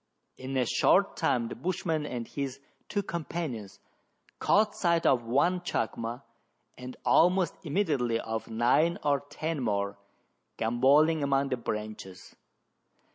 In a short time the bushman and his two companions caught sight of one chacma, and almost immediately of nine or ten more, gambolling among the branches.